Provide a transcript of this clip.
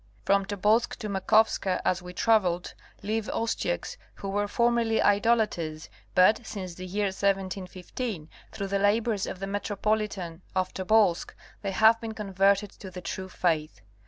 From Tobolsk to Makovska as we traveled live Ostiaks who were formerly idolaters, but, since the year 1715, through the labors, of the Metropolitan of Tobolsk they have been converted to the true faith.